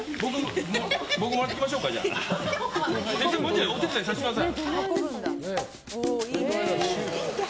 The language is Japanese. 僕、持っていきましょうか。お手伝いさせてください。